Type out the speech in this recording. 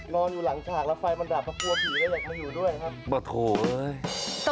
นอนอยู่หลังฉากแล้วไฟมันดับก็กลัวผีแล้วอยากมาอยู่ด้วยนะครับ